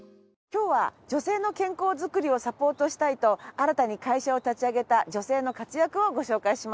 今日は女性の健康づくりをサポートしたいと新たに会社を立ち上げた女性の活躍をご紹介します。